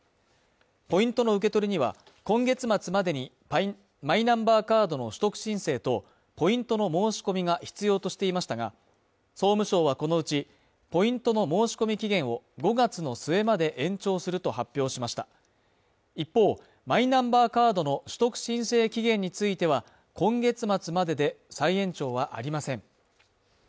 ポイントの受け取りには今月末までにマイナンバーカードの取得申請とポイントの申し込みが必要としていましたが総務省はこのうちポイントの申し込み期限を５月の末まで延長すると発表しました一方マイナンバーカードの取得申請期限については今月末までで再延長はありません